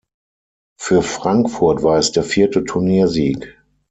Für Frankfurt war es der vierte Turniersieg.